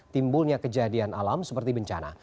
timbulnya kejadian alam seperti bencana